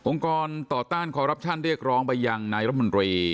องค์กรต่อต้านขอรับท่านเรียกร้องไปยังนายรับมันเรย์